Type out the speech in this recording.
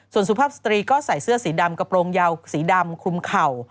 ส่วนสุภาพสตรีก็ใส่เสื้อสีดำกระโปรงยาวสีดำคลุมเข่า